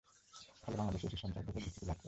ফলে বাংলাদেশে এসিড সন্ত্রাস ব্যাপক বিস্তৃতি লাভ করে।